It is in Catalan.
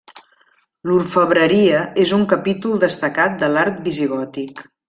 L'orfebreria és un capítol destacat de l'art visigòtic.